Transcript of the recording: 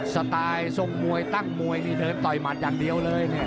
สไตล์ทรงมวยตั้งมวยต่อยหมัดอย่างเดียวเลย